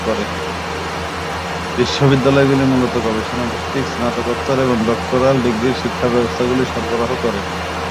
বিশ্ববিদ্যালয়টি মূলত গবেষণা ভিত্তিক স্নাতকোত্তর এবং ডক্টরাল ডিগ্রির শিক্ষা ব্যবস্থাগুলি সরবরাহ করে।